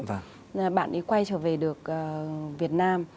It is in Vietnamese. bạn nữ bạn ấy quay trở về được việt nam